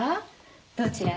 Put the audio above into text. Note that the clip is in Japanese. どちらへ？